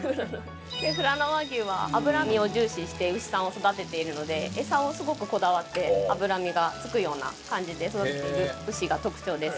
ふらの和牛は脂身を重視して牛さんを育てているのでエサをすごくこだわって脂身がつくような感じで育てている牛が特徴です。